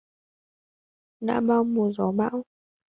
Đã bao mùa gió bão